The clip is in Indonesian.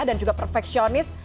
dan juga perfeksionis